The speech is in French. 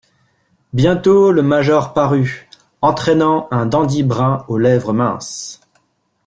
Bientôt le major parut, entraînant un dandy brun aux lèvres minces.